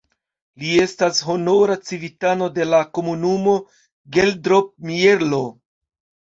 Li estas honora civitano de la komunumo Geldrop-Mierlo.